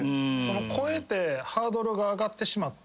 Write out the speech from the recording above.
肥えてハードルが上がってしまって。